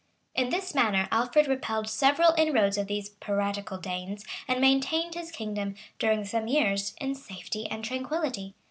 ] In this manner Alfred repelled several inroads of these piratical Danes, and maintained his kingdom, during some years, in safety and tranquillity.